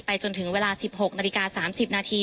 จนถึงเวลา๑๖นาฬิกา๓๐นาที